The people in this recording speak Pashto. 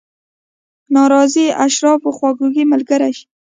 ناراضي اشرافو خواخوږي ملګرې شي.